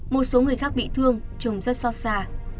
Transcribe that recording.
một số người khác bị thương chồng rất xót xa